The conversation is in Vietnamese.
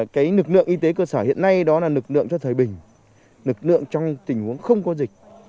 cái nực lượng y tế cơ sở hiện nay đó là nực lượng cho thời bình nực lượng trong tình huống không có dịch